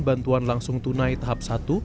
bantuan langsung tunai tahap satu